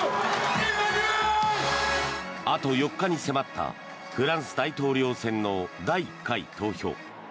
あと４日に迫ったフランス大統領選の第１回投票。